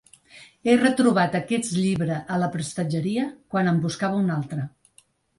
He retrobat aquest llibre a la prestatgeria quan en buscava un altre.